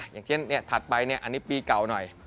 อย่างเช่นถัดไปอันนี้ปีเก่าหน่อย